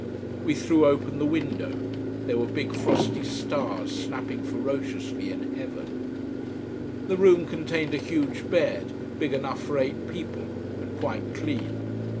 We threw open the window. There were big frosty stars snapping ferociously in heaven. The room contained a huge bed, big enough for eight people, and quite clean.